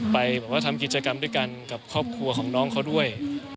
ไปแบบว่าทำกิจกรรมด้วยกันกับครอบครัวของน้องเขาด้วย